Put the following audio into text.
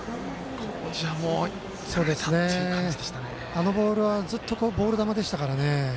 あのボールはずっとボール球でしたからね。